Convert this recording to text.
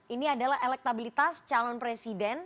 ini adalah elektabilitas calon presiden